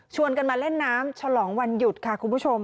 กันมาเล่นน้ำฉลองวันหยุดค่ะคุณผู้ชม